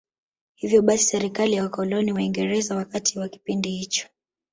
Hivyo basi serikali ya wakoloni Waingereza wakati wa kipindi hicho